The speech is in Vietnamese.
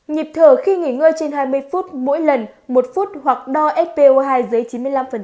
nhịp thở khi nghỉ ngơi trên hai mươi phút mỗi lần một phút hoặc đo spo hai dưới chín mươi năm